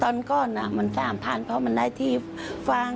ตอนก่อนมัน๓๐๐เพราะมันได้ที่ฟาง